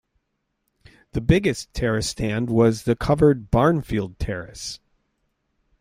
The biggest terrace stand was the covered Barnfield Terrace.